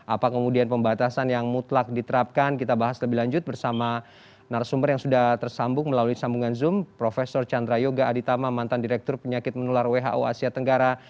apa kemudian pembatasan yang mutlak diterapkan kita bahas lebih lanjut bersama narasumber yang sudah tersambung melalui sambungan zoom prof chandra yoga aditama mantan direktur penyakit menular who asia tenggara